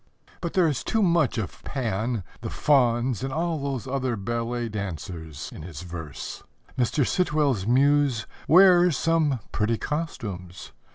But there is too much of Pan, the fauns and all those other ballet dancers in his verse. Mr. Sitwell's muse wears some pretty costumes.